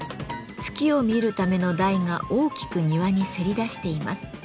月を見るための台が大きく庭にせり出しています。